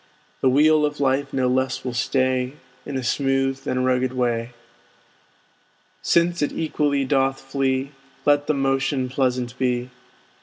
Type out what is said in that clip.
The wheel of life no less will stay In a smooth than rugged way: Since it equally doth flee, Let the motion pleasant be.